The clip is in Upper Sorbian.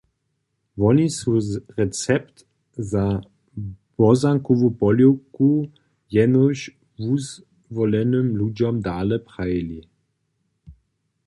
Woni su recept za bozankowu poliwku jenož wuzwolenym ludźom dale prajili.